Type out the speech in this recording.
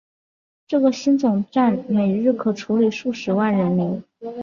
这个新总站每日可处理数十万人流。